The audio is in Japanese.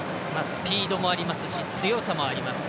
スピードもありますし強さもあります。